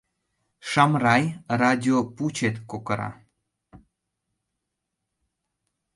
— Шамрай, радио пучет кокыра!